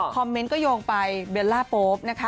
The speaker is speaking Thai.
คอมเมนต์ก็โยงไปเบลล่าโป๊ปนะคะ